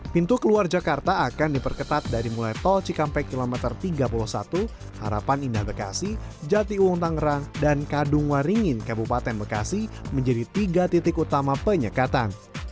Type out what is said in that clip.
pintu keluar jakarta akan diperketat dari mulai tol cikampek kilometer tiga puluh satu harapan indah bekasi jati uung tangerang dan kadung waringin kabupaten bekasi menjadi tiga titik utama penyekatan